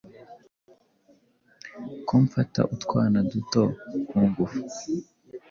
ko mfata utwana duto ku ngufu